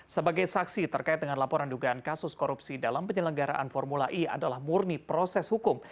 sebagai saksi terkait dengan laporan dugaan kasus korupsi dalam penyelenggaraan formula e adalah murni proses hukum